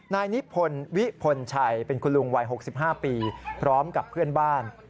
นายนิพนธ์วิพลชัยเป็นคุณลุงวัย๖๕ปีพร้อมกับเพื่อนบ้าน